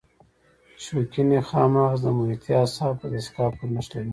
شوکي نخاع مغز د محیطي اعصابو په دستګاه پورې نښلوي.